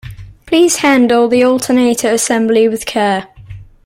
Please handle the alternator assembly with care.